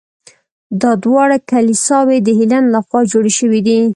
دا دواړه کلیساوې د هیلن له خوا جوړې شوي دي.